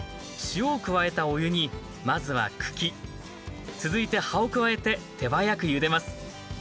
塩を加えたお湯にまずは茎続いて葉を加えて手早くゆでます。